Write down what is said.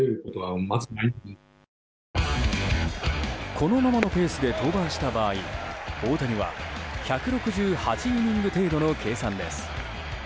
このままのペースで登板した場合大谷は１６８イニング程度の計算です。